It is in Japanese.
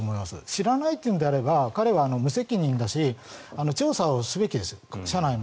知らないというのであれば彼は無責任だし調査をすべきです。